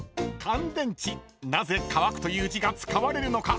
［なぜ乾くという字が使われるのか？］